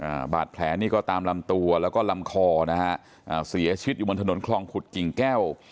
อ่าบาดแผลนี่ก็ตามลำตัวแล้วก็ลำคอนะฮะอ่าเสียชีวิตอยู่บนถนนคลองขุดกิ่งแก้ว